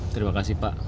terima kasih pak